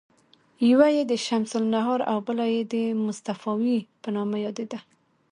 یوه یې د شمس النهار او بله یې د مصطفاوي په نامه یادیده.